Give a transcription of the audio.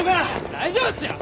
大丈夫っすよ！